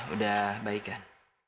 udah baik kan